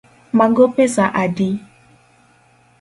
Mago pesa adi?